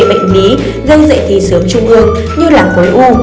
bệnh mý gây dạy thi sớm trung ương như là cối u